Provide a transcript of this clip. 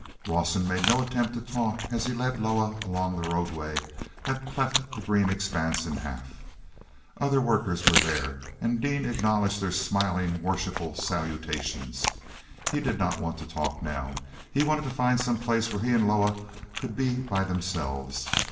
Rawson made no attempt to talk as he led Loah along the roadway that cleft the green expanse in half. Other workers were there, and Dean acknowledged their smiling, worshipful salutations. He did not want to talk now; he wanted to find some place where he and Loah could be by themselves.